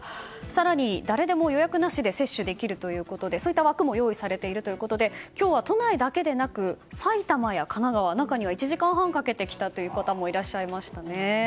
更に誰でも予約なしで接種できるということでそういった枠も用意されているということで今日は、都内だけでなく埼玉や神奈川中には１時間半かけてきたという方もいらっしゃいました。